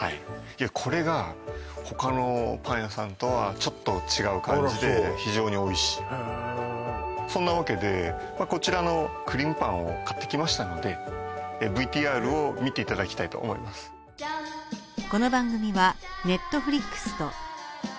これが他のパン屋さんとはちょっと違う感じで非常においしいへそんなわけでこちらのクリームパンを買ってきましたのでＶＴＲを見ていただきたいと思いますさぁしあわせをシェアしよう。